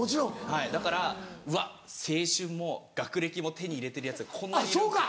はいだからうわ青春も学歴も手に入れてるヤツがこんなにいるのかみたいな。